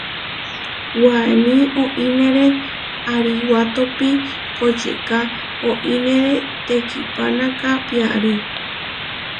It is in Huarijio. Waní oínere ariwátopi kočiká oínere tekihpánaka piarí.